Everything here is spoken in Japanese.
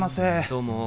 どうも。